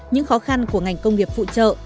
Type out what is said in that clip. những khó khăn của ngành công nghiệp phụ trợ